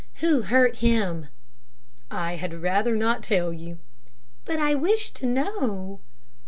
"Who hurt him?" "I had rather not tell you." "But I wish to know."